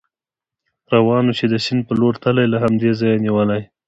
روان و، چې د سیند په لور تلی، له همدې ځایه نېولې.